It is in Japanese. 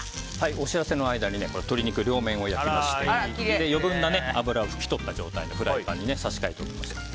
お知らせの間に鶏肉両面を焼きましてこれで余分な油を拭き取った状態のフライパンに差し替えておきました。